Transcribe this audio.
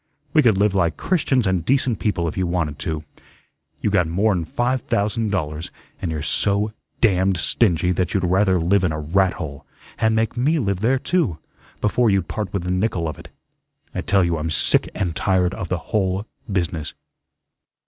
We could live like Christians and decent people if you wanted to. You got more'n five thousand dollars, and you're so damned stingy that you'd rather live in a rat hole and make me live there too before you'd part with a nickel of it. I tell you I'm sick and tired of the whole business."